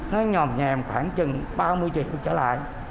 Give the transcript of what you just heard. nó nhòm nhèm khoảng chừng ba mươi triệu trở lại